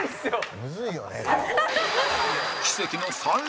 塙：むずいよね。